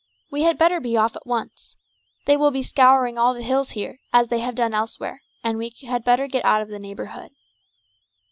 We had better be off at once. They will be scouring all the hills here, as they have done elsewhere, and we had better get out of the neighbourhood."